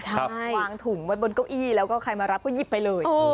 วางถุงไว้บนเก้าอี้แล้วก็ใครมารับก็หยิบไปเลย